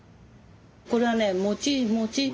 これはねもちもち。